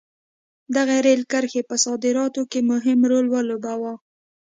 دغې رېل کرښې په صادراتو کې مهم رول ولوباوه.